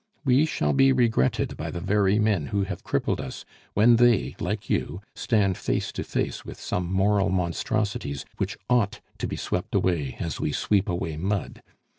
We shall be regretted by the very men who have crippled us when they, like you, stand face to face with some moral monstrosities, which ought to be swept away as we sweep away mud!